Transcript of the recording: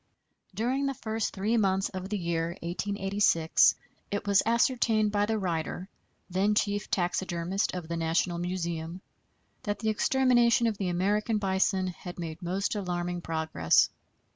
During the first three months of the year 1886 it was ascertained by the writer, then chief taxidermist of the National Museum, that the extermination of the American bison had made most alarming progress.